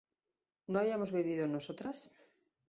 ¿no habíamos bebido nosotras?